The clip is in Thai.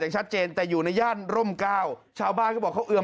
อย่างชัดเจนแต่อยู่ในย่านร่มก้าวชาวบ้านก็บอกเขาเอื่อม